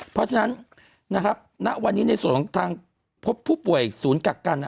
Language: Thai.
เพราะฉะนั้นนะครับณวันนี้ในส่วนของทางพบผู้ป่วยศูนย์กักกัน